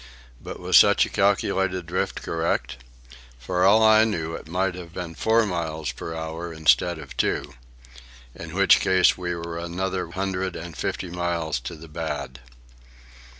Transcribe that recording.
But was such calculated drift correct? For all I knew, it might have been four miles per hour instead of two. In which case we were another hundred and fifty miles to the bad.